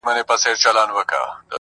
چي خان ئې، په ياران ئې.